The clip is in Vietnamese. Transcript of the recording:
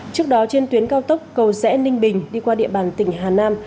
trước đó trên tuyến cao tốc cầu rẽ ninh bình đi qua địa bàn tỉnh hà nam